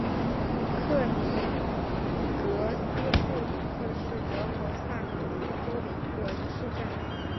克尼格斯布吕克是德国萨克森州的一个市镇。